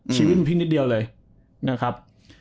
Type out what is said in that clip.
ชีวิตพี่นิดเดียวเลยนะครับ